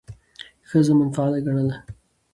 ښځه منفعله ګڼله،